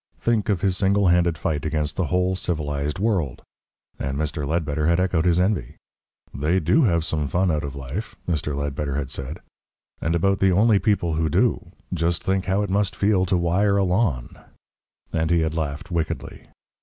Think of his single handed fight against the whole civilised world!" And Mr. Ledbetter had echoed his envy. "They DO have some fun out of life," Mr. Ledbetter had said. "And about the only people who do. Just think how it must feel to wire a lawn!" And he had laughed wickedly.